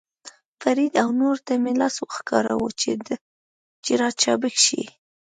فرید او نورو ته مې لاس وښوراوه، چې را چابک شي.